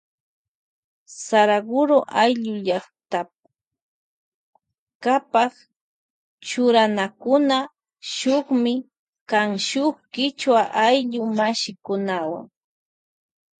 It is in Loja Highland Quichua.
Saraguro ayllu llaktakapa churanakuna shukmi kan shuk kichwa ayllu mashikunawan.